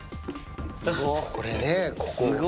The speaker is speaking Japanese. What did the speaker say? これね、ここ。